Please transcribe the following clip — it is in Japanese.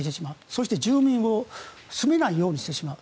そして住民が住めないようにしてしまう。